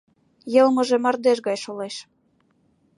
Йылмыже мардеж гай шолеш...